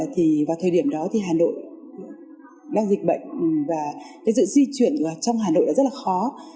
thời điểm đó hà nội đang dịch bệnh và sự di chuyển trong hà nội rất khó